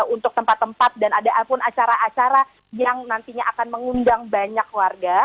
untuk tempat tempat dan ada pun acara acara yang nantinya akan mengundang banyak warga